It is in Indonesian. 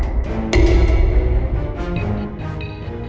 lala sudah tidak tahan tinggal sama ibu sama bapak